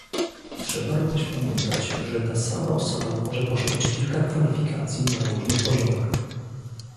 Trzeba również pamiętać, że ta sama osoba może posiadać kilka kwalifikacji na różnych poziomach